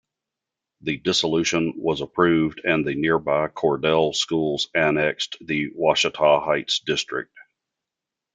The dissolution was approved and the nearby Cordell schools annexed the Washita Heights district.